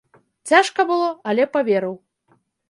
Цяжка было, але паверыў.